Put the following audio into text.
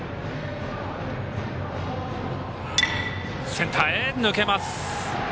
センターへ抜けます。